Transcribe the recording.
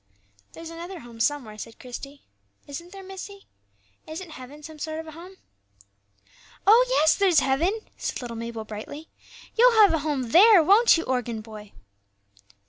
"There's another home somewhere," said Christie, "isn't there, missie? Isn't heaven some sort of a home?" "Oh, yes, there's heaven," said little Mabel, brightly; "you'll have a home there, won't you, organ boy?"